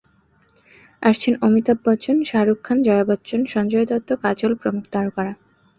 আসছেন অমিতাভ বচ্চন, শাহরুখ খান, জয়া বচ্চন, সঞ্জয় দত্ত, কাজল প্রমুখ তারকারা।